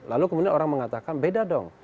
lalu kemudian orang mengatakan beda dong